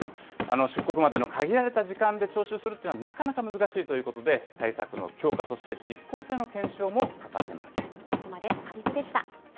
出国までの限られた時間で徴収するっていうのは、なかなか難しいということで、対策の強化、そして実効性の検証も欠かせません。